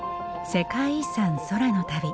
「世界遺産空の旅」。